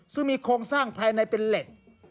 ซึ่งมีโครงสร้างภายในเป็นเหล็ก